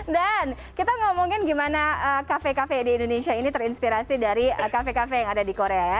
dan kita ngomongin gimana kafe kafe di indonesia ini terinspirasi dari kafe kafe yang ada di korea ya